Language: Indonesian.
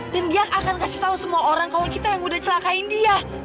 dan dia akan kasih tahu semua orang kalau kita yang udah celakain dia